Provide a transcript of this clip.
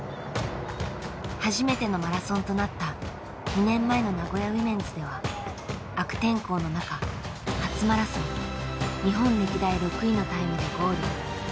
初めてのマラソンとなった２年前の名古屋ウィメンズでは悪天候の中初マラソン日本歴代６位のタイムでゴール。